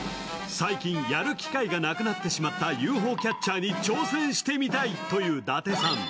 最近、やる機会がなくなってしまったＵＦＯキャッチャーに挑戦してみたいという伊達さん。